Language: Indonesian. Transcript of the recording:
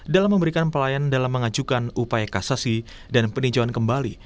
dalam memberikan pelayanan dalam mengajukan upaya kasasi dan peninjauan kembali